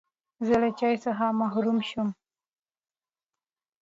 زه له چای څخه محروم شوم.